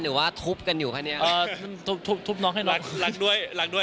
ลูกคุณเคียนรักรักด้วย